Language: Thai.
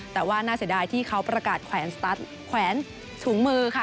แต่ว่าน่าเสียดายที่เขาประกาศแขวนถูงมือค่ะ